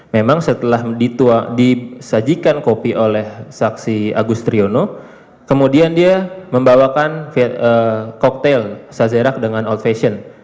memang setelah disajikan kopi oleh saksi agustriono kemudian dia membawakan cocktail sazerac dengan out fashion